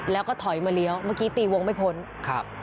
แล้วก็ถอยมาเลี้ยวเมื่อกี้ตีวงไม่พ้นครับ